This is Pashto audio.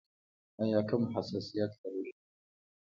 ایا کوم حساسیت لرئ؟